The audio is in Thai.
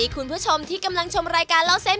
ก็ประมาณ๓๐๐จาน